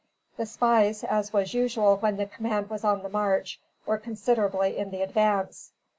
The spies, as was usual when the command was on the march, were considerably in the advance.